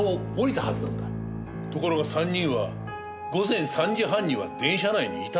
ところが３人は午前３時半には電車内にいたという。